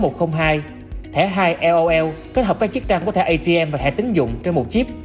thẻ hai lol kết hợp các chức trang của thẻ atm và thẻ tính dụng trên một chip